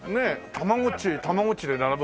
たまごっちたまごっちで並ぶみたいな。